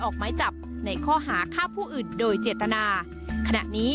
กลับไปฮะล่ะคุ้ยหัว